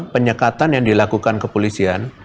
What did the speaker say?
penyekatan yang dilakukan kepolisian